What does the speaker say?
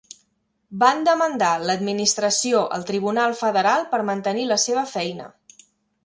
Van demandar l'administració al tribunal federal per mantenir la seva feina.